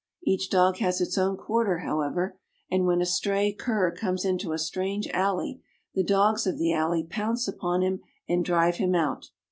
Each dog has its own quarter, however, and when a stray cur comes into a strange alley, the dogs of the alley pounce upon him and drive him out.